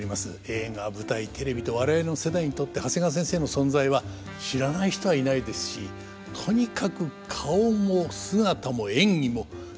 映画舞台テレビと我々の世代にとって長谷川先生の存在は知らない人はいないですしとにかく顔も姿も演技もどれも超一流でございました。